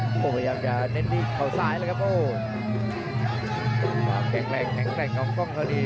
พวกเขาพยายามจะเน้นที่เขาซ้ายแล้วครับโอแข็งแรงแข็งแรงของกล้องเท่านี้